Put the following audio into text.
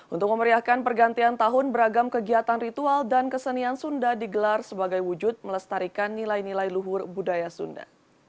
untuk memeriahkan pergantian tahun beragam kegiatan ritual dan kesenian sunda digelar sebagai wujud melestarikan nilai nilai luhur budaya sunda